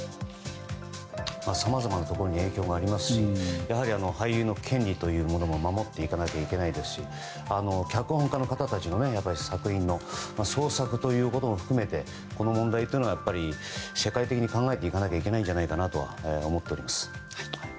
さまざまなところに影響がありますしやはり、俳優の権利も守っていかなければいけないですし脚本家の方たちの作品の創作ということも含めてこの問題というのは世界的に考えていかなきゃいけないんじゃないかなとは思っております。